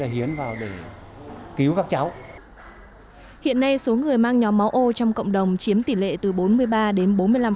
hiện nay số người mang nhóm máu ô trong cộng đồng chiếm tỷ lệ từ bốn mươi ba đến bốn mươi năm